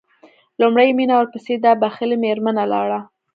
لومړی مينه ورپسې دا بښلې مېرمنه لاړه.